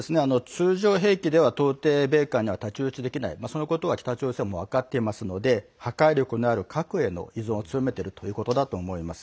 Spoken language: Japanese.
通常兵器では到底、米韓には太刀打ちできない、そのことは北朝鮮も分かっていますので破壊力のある核への依存を強めてるということだと思います。